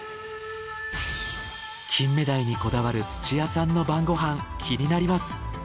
金目鯛にこだわる土屋さんの晩ご飯気になります。